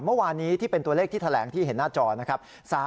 เมื่อวานนี้ที่เป็นตัวเลขที่แถลงที่เห็นหน้าจอนะครับ